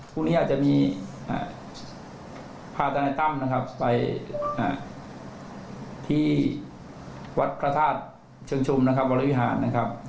พรุ่งนี้อาจจะพาทนัยตั้มไปที่วัทพระธาตุเชิงชุมวรรณวิหารนะครับ